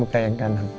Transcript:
buka yang kanan